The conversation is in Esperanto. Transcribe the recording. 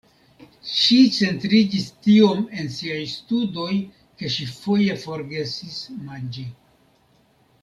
Ŝi centriĝis tiom en siaj studoj ke ŝi foje forgesis manĝi.